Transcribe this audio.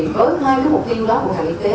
với hai mục tiêu đó của hạng y tế